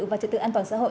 và trật tự an toàn xã hội